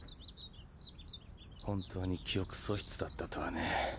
本当に記憶喪失だったとはね。